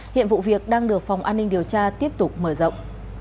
hiện vụ việc đang được phòng an ninh điều tra tiếp tục mở rộng